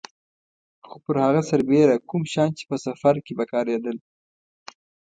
خو پر هغه سربېره کوم شیان چې په سفر کې په کارېدل.